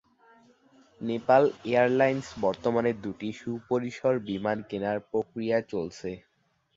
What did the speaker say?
Nepal airlines বর্তমানে দুটি সুপরিসর বিমান কেনার প্রক্রিয়া চলছে।